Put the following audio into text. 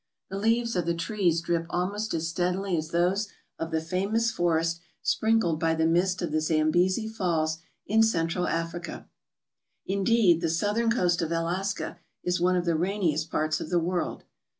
The leaves of the trees drip almost as steadily as those of the famous forest sprinkled by the mist of the Zambesi Falls in Central Africa. Indeed, the southern coast of Alaska is one of the rainiest parts of the world.